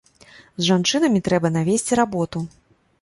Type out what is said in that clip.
З жанчынамі трэба навесці работу.